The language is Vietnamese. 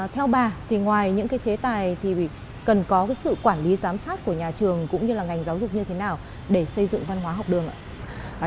theo bà thì ngoài những cái chế tài thì cần có cái sự quản lý giám sát của nhà trường cũng như là ngành giáo dục như thế nào để xây dựng văn hóa học đường ạ